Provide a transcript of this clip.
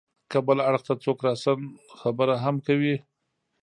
که بل اړخ ته څوک راسا خبره هم کوي.